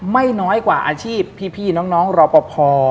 ไม่น้อยกว่าอาชีพพี่น้องรอปภ